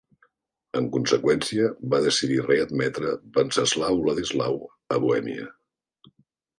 En conseqüència, va decidir readmetre Venceslau-Ladislau a Bohèmia.